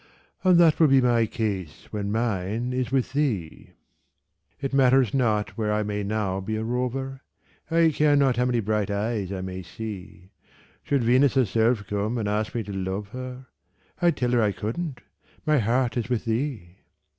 And that will be my case when mine is with thee. It matters not where I may now be a rover, I care not how many bright eyes I may see; Should Venus herself come and ask me to love her, I'd tell her I couldn't my heart is with thee.